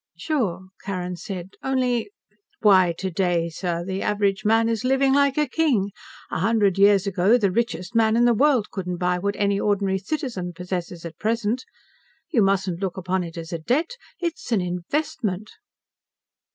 "Sure," Carrin said. "Only " "Why, sir, today the average man is living like a king. A hundred years ago the richest man in the world couldn't buy what any ordinary citizen possesses at present. You mustn't look upon it as a debt. It's an investment."